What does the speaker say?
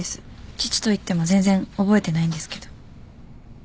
父といっても全然覚えてないんですけど。